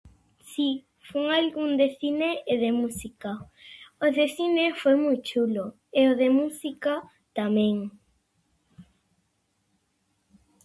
Si, fun a algún de cine e de música. O cine foi moi chulo e o de música tamén.